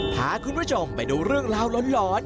พาคุณผู้ชมไปดูเรื่องราวร้อน